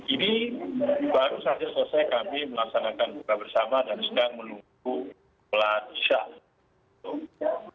ini baru saja selesai kami melaksanakan buka bersama dan sedang meluku melatih syahdu